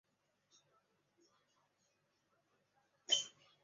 譬如中国有炒作普洱茶养生功效导致普洱价格飙升的事件。